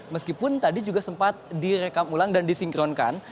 meskipun tadi juga sempat direkam ulang dan disinkronkan